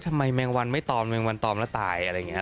แมงวันไม่ตอมแมงวันตอมแล้วตายอะไรอย่างนี้